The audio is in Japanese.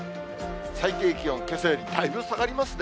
最低気温、けさよりだいぶん下がりますね。